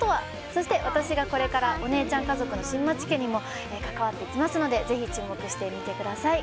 そして私がこれからお姉ちゃん家族の新町家にも関わっていきますのでぜひ注目してみてください